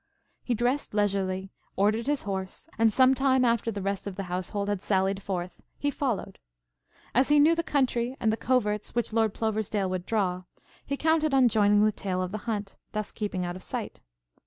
He dressed leisurely, ordered his horse, and some time after the rest of the household had sallied forth, he followed. As he knew the country and the coverts which Lord Ploversdale would draw, he counted on joining the tail of the hunt, thus keeping out of sight.